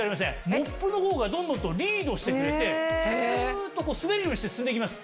モップの方がドンドンとリードしてくれてスっと滑るようにして進んでいきます。